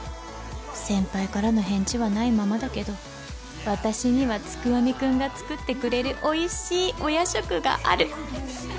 先輩からの返事はないままだけど私には月読くんが作ってくれるおいしいお夜食がある